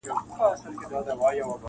• تاسي ځئ ما مي قسمت ته ځان سپارلی -